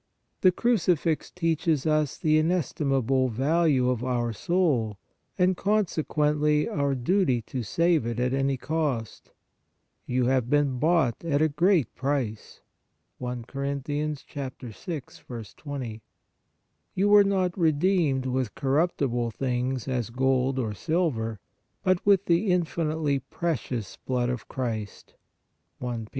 The Crucifix teaches us the inestimable value of our soul, and consequently our duty to save it at any cost :" You have been bought at a great price " (I Cor. 6. 20) ;" You were not redeemed with cor ruptible things as gold or silver ... but with the (infinitely) precious blood of Christ" (I Pet.